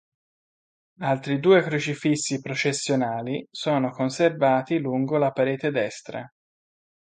Altri due crocifissi processionali sono conservati lungo la parete destra.